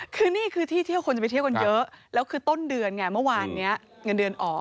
คือนี่คือที่เที่ยวคนจะไปเที่ยวกันเยอะแล้วคือต้นเดือนไงเมื่อวานนี้เงินเดือนออก